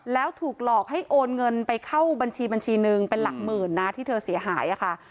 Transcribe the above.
แล้วถูกหลอกให้โอนเงินไปเข้าบัญชีบัญชีหนึ่งเป็นหลักหมื่นนะที่เธอเสียหายค่ะ